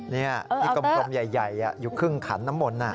เนี่ยนี่กลมใหญ่อยู่ครึ่งขันน้ำมนต์น่ะเออเอาเตอร์